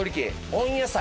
温野菜。